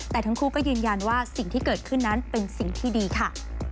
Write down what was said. แต่ทั้งคู่ก็ยืนยันว่าสิ่งที่เกิดขึ้นนั้นเป็นสิ่งที่ดีค่ะ